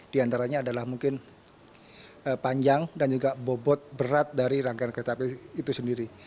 di antaranya adalah mungkin panjang dan juga bobot berat dari rangkaian kereta api itu sendiri